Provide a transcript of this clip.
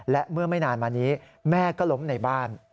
และเมื่อไม่นานมานี้แม่ก็ล้มในบ้าน